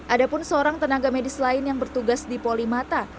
ada pun seorang tenaga medis lain yang bertugas di polimata